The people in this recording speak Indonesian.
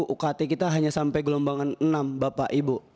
ukt kita hanya sampai gelombangan enam bapak ibu